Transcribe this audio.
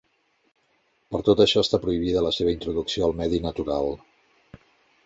Per tot això està prohibida la seva introducció al medi natural.